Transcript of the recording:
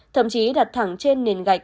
thậm chí đặt thẳng trên nền gạch